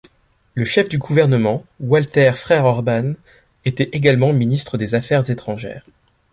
Le chef du gouvernement, Walthère Frère-Orban était également Ministre des affaires étrangères.